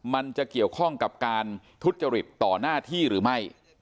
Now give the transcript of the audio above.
มันจะเกี่ยวข้องกับการทุจริตต่อหน้าที่หรือไม่